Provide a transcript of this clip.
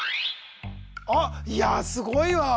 あっいやあすごいわ！